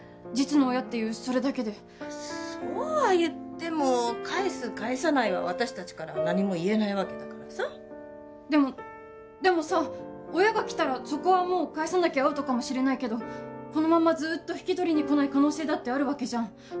実の親っていうそれだけでそうは言ってもかえすかえさないは私達からは何も言えないわけだからさでもでもさ親が来たらそこはもうかえさなきゃアウトかもしれないけどこのままずっと引き取りに来ない可能性だってあるわけじゃん